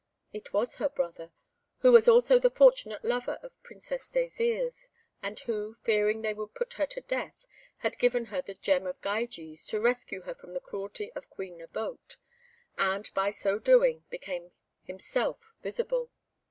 It was her brother, who was also the fortunate lover of Princess Désirs, and who, fearing they would put her to death, had given her the Gem of Gyges to rescue her from the cruelty of Queen Nabote, and by so doing, became himself visible.